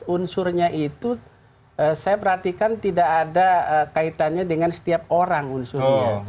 unsurnya itu saya perhatikan tidak ada kaitannya dengan setiap orang unsurnya